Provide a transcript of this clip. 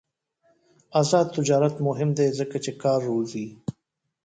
آزاد تجارت مهم دی ځکه چې کار روزي.